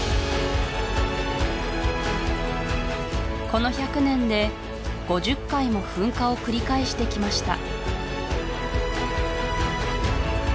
この１００年で５０回も噴火を繰り返してきました